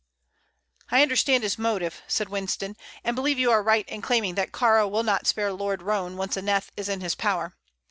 "I understand his motive," said Winston, "and believe you are right in claiming that Kāra will not spare Lord Roane once Aneth is in his power.